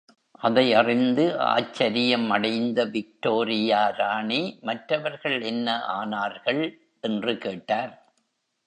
அதை அறிந்து ஆச்சரியம் அடைந்த விக்டோரியா ராணி, மற்றவர்கள் என்ன ஆனார்கள்? என்று கேட்டார்.